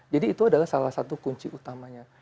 jadi itu adalah salah satu kunci utamanya